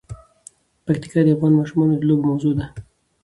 پکتیکا د افغان ماشومانو د لوبو موضوع ده.